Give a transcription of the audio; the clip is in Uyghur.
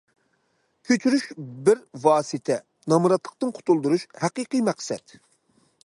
كۆچۈرۈش بىر ۋاسىتە، نامراتلىقتىن قۇتۇلدۇرۇش ھەقىقىي مەقسەت.